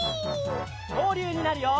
きょうりゅうになるよ！